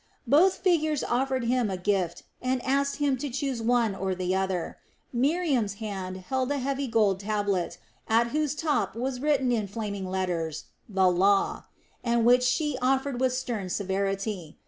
Both figures offered him a gift and asked him to choose one or the other. Miriam's hand held a heavy gold tablet, at whose top was written in flaming letters: "The Law!" and which she offered with stern severity.